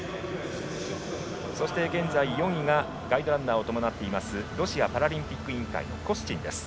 ４位がガイドランナーを伴っているロシアパラリンピック委員会のコスチン。